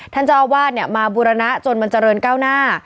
ท่านเจ้าอาวาสเนี่ยมาบูรณะจนมันเจริญก้าวหน้า